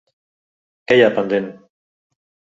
Què hi ha pendent?